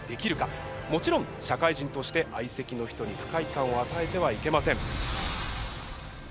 もちろん社会人として相席の人に不快感を与えてはいけません。